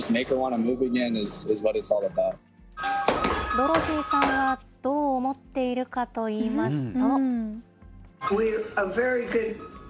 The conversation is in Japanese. ドロシーさんはどう思っているかといいますと。